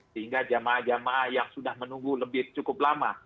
sehingga jamaah jamaah yang sudah menunggu lebih cukup lama